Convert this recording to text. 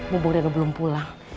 bu bu reno belum pulang